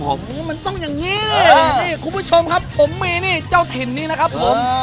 โอ้โหมันต้องอย่างนี้นี่คุณผู้ชมครับผมมีนี่เจ้าถิ่นนี้นะครับผม